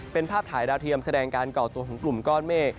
เป็นภาพถ่ายดาวเทียมแสดงการก่อตัวของกลุ่มก้อนเมฆ